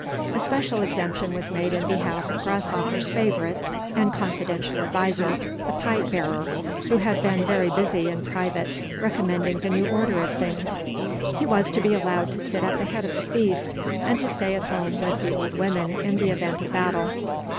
A special exemption was made in behalf of Grasshopper's favorite and confidential adviser, the Pipe bearer, who had been very busy in private, recommending the new order of things. He was to be allowed to sit at the head of the feast, and to stay at home with the old women in the event of battle.